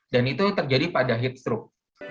dan itu terjadi pada heat stroke